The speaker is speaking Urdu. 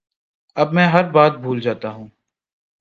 اب میں ہر بات بھول جاتا ہوں